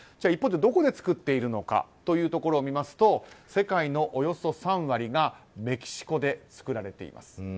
一方でどこで作っているのかと見ますと世界のおよそ３割がメキシコで作られています。